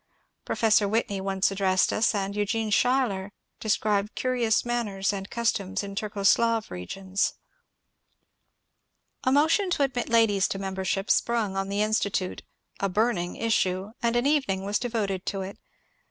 Professor Whitney once addressed us, and Eugene Schuyler described curious manners and customs in Turco Slav regions. A motion to admit ladies to membership sprung on the In stitute a ^^ burning issue," and an evening was devoted to it.